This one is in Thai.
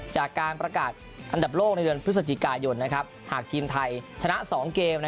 จากการประกาศอันดับโลกในเดือนพฤศจิกายนหากทีมไทยชนะ๒เกม